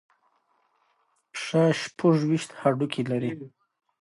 پښه شپږ ویشت هډوکي لري.